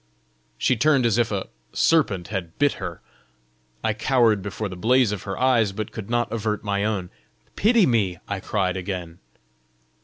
She turned as if a serpent had bit her. I cowered before the blaze of her eyes, but could not avert my own. "Pity me," I cried again.